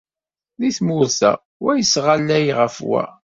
Deg tmurt-a, wa yesɣallay ɣef wa.